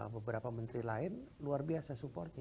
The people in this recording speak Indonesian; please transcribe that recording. beberapa menteri lain luar biasa supportnya